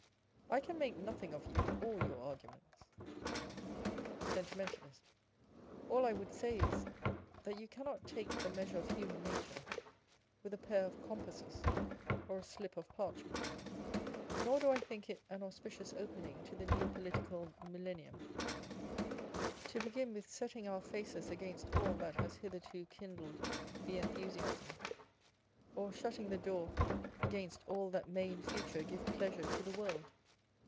I can make nothing of you or your argu ments. Sentimentalist. All I would say is, that you cannot take the measure of human nature with a pair of compasses or a slip of parchment : nor do I think it an auspicious opening to the new Political Millennium to begin with setting our faces against all that has hitherto kindled the enthusiasm, or shutting the door against all that may in future give pleasure to the world.